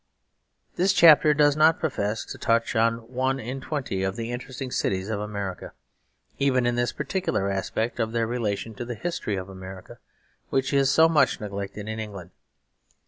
This chapter does not profess to touch on one in twenty of the interesting cities of America, even in this particular aspect of their relation to the history of America, which is so much neglected in England.